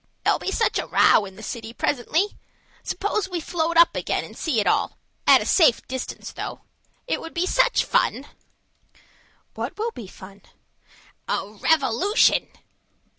There'll be such a row in the city presently. Suppose we float up again and see it all at a safe distance, though. It will be such fun!" "What will be fun?" "A revolution."